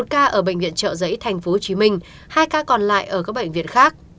một ca ở bệnh viện trợ giấy tp hcm hai ca còn lại ở các bệnh viện khác